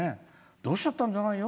どうしちゃったんじゃないよ。